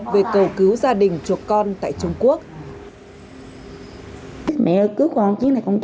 về cầu cứu gia đình chuộc con